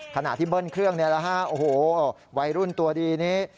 ขนาดที่เบิ้ลเครื่องวัยรุ่นตัวดีนี้